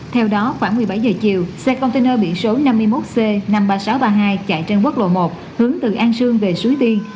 theo đó khoảng một mươi bảy giờ chiều xe container biển số năm mươi một c năm mươi ba nghìn sáu trăm ba mươi hai chạy trên quốc lộ một hướng từ an sương về suối tiên